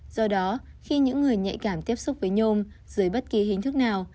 do đó khi những người nhạy cảm tiếp xúc với nhôm dưới bất kỳ hình thức nào